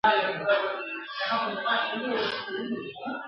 هم بادار هم خریدار ته نازنینه ..